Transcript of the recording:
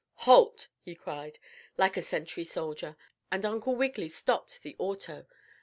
"Halt!" he cried, like a sentry soldier, and Uncle Wiggily stopped the auto.